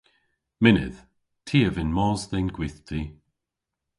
Mynnydh. Ty a vynn mos dhe'n gwithti.